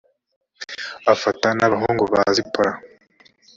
afata n’abahungu ba zipora